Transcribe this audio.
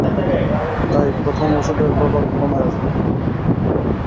তাই, প্রথম ওষুধের প্রভাব কমে আসবে।